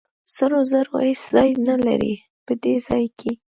سرو زرو هېڅ ځای نه لري په دې ځای کې.